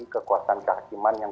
kekuasaan kehakiman yang